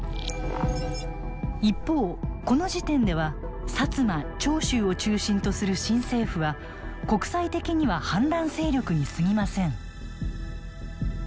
一方この時点では摩・長州を中心とする新政府は国際的には反乱勢力にすぎません。